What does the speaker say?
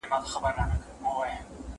هيڅ سياسي ګوند بايد ولس ته په ټيټه ونه ګوري.